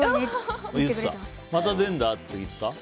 また出るんだって言った？